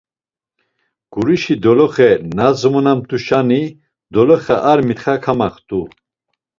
Gurişi doloxe nozmonamt̆uşani doloxe ar mitxa kamaxt̆u.